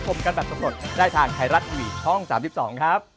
ครับ